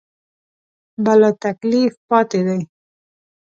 بلاتکلیف پاتې دي.